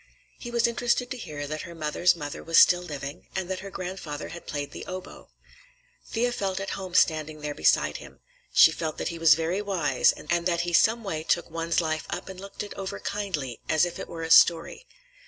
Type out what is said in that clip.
He was interested to hear that her mother's mother was still living, and that her grandfather had played the oboe. Thea felt at home standing there beside him; she felt that he was very wise, and that he some way took one's life up and looked it over kindly, as if it were a story.